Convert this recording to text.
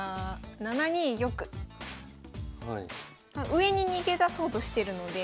上に逃げ出そうとしてるので。